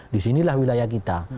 di sinilah wilayah kita